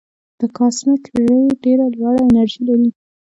د کاسمک رې ډېره لوړه انرژي لري.